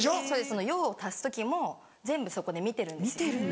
そうです用を足す時も全部そこで見てるんですよ。